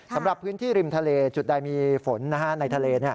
สำหรับพื้นที่ริมทะเลจุดใดมีฝนในทะเล